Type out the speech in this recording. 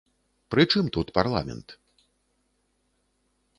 Пры чым тут парламент?